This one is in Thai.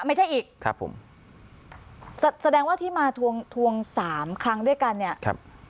ไม่ใช่อีกครับผมแสดงว่าที่มาทวงทวงสามครั้งด้วยกันเนี่ยครับ